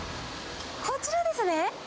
こちらですね。